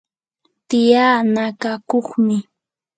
tiyaa nakakuqmi.